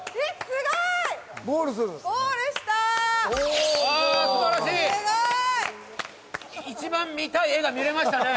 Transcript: すごい！一番見たい画が見れましたね。